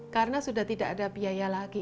karena sudah tidak ada biaya lagi